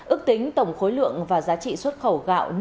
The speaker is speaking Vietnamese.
ước tính tổng khối lượng và giá trị xuất khẩu gạo